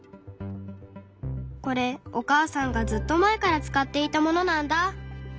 これお母さんがずっと前から使っていたものなんだ。